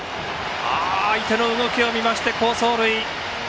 相手の動きを見まして好走塁。